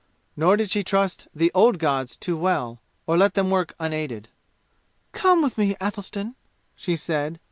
Nor did she trust the "old gods" too well, or let them work unaided. "Come with me, Athelstan!" she said.